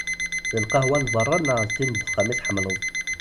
D lqahwa n berra neɣ d tin n uxxam i tḥemmleḍ?